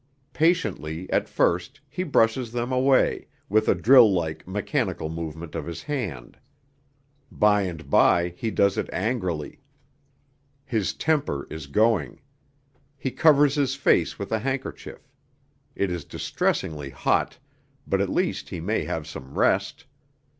Patiently, at first, he brushes them away, with a drill like mechanical movement of his hand; by and by he does it angrily; his temper is going. He covers his face with a handkerchief; it is distressingly hot, but at least he may have some rest.